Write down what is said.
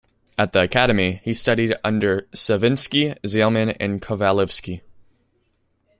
At the Academy, he studied under Savinsky, Zaleman and Kovalevsky.